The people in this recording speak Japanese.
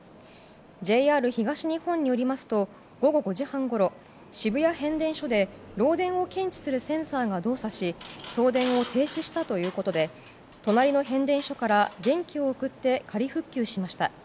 ＪＲ東日本によりますと午後５時半ごろ渋谷変電所で漏電を検知するセンサーが動作し送電を停止したということで隣の変電所から電気を送って仮復旧しました。